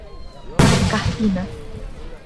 Carpina